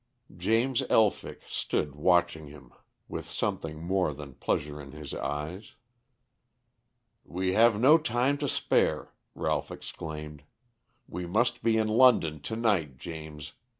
James Elphick stood watching him with something more than pleasure in his eyes. "We have no time to spare," Ralph exclaimed. "We must be in London to night, James.